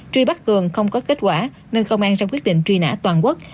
truy bắt cường không có kết quả nên công an ra quyết định truy nã toàn quốc